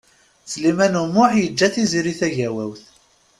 Sliman U Muḥ yeǧǧa Tiziri Tagawawt.